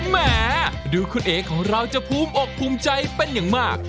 แหมดูคุณเอ๋ของเราจะภูมิอกภูมิใจเป็นอย่างมาก